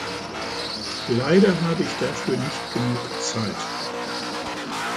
Leider habe ich dafür nicht genug Zeit.